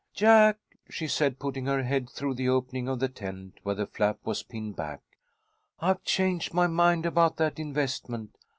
"Jack," she said, putting her head through the opening of the tent where the flap was pinned back, "I've changed my mind about that investment.